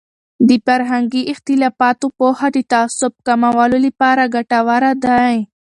د فرهنګي اختلافاتو پوهه د تعصب کمولو لپاره ګټوره دی.